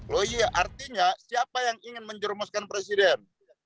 loh iya artinya siapa yang ingin menjerumuskan presiden